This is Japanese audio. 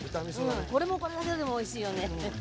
これもこれだけでもおいしいよね。